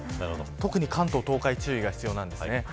特に関東、東海注意が必要です。